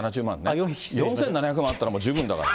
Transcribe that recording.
４７００万円あったら、もう十分だから。